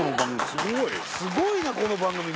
すごいなこの番組何？